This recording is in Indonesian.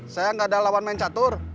saya nggak ada lawanmen catur